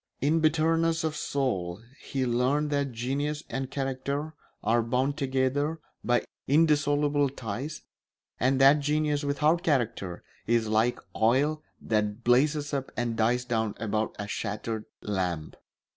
In bitterness of soul he learned that genius and character are bound together by indissoluble ties, and that genius without character is like oil that blazes up and dies down about a shattered lamp.